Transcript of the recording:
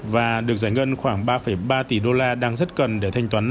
và được giải ngân khoảng ba ba tỷ đô la đang rất cần để thanh toán